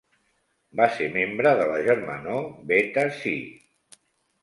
Va ser membre de la germanor Beta Psi.